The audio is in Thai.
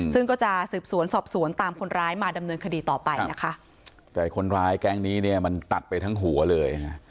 ซึ่งก็จะสืบสวนสอบสวนตามคนร้ายมาดำเนินคดีต่อไปนะคะแต่คนร้ายแก๊งนี้เนี่ยมันตัดไปทั้งหัวเลย